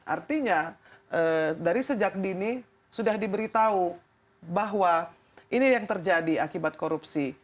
artinya dari sejak dini sudah diberitahu bahwa ini yang terjadi akibat korupsi